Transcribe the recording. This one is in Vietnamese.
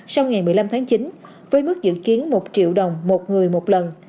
sau ngày một mươi năm tháng chín với mức dự kiến một triệu đồng một người một lần